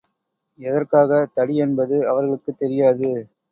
எதற்காகத் தடி என்பது அவர்களுக்குத் தெரியாது.